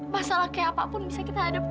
masalah kayak apapun bisa kita hadapi